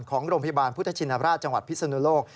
ของโรงพยาบาลพุทธชินราชจังหวัดพิศนุโลก